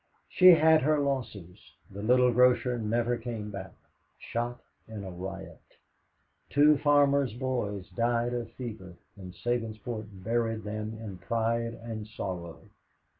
She had her losses. The little grocer never came back shot in a riot. Two farmers' boys died of fever, and Sabinsport buried them in pride and sorrow.